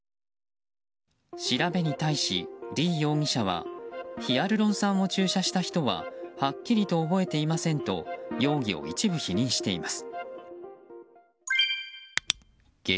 調べに対し、リ容疑者はヒアルロン酸を注射した人ははっきりと覚えていませんと容疑を一部否認しています。